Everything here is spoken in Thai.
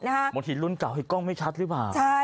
บางทีรุ่นเก่าให้กล้องไม่ชัดหรือเปล่า